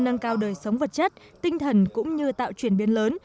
nâng cao đời sống vật chất tinh thần cũng như tạo chuyển biến lớn